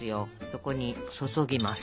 そこに注ぎます。